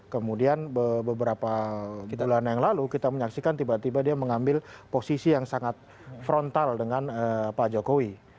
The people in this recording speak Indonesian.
kemudian beberapa bulan yang lalu kita menyaksikan tiba tiba dia mengambil posisi yang sangat frontal dengan pak jokowi